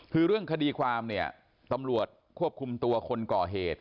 คือเรื่องคดีความเนี่ยตำรวจควบคุมตัวคนก่อเหตุ